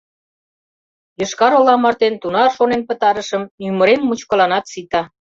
— Йошкар-Ола марте тунар шонен пытарышым — ӱмырем мучкыланат сита.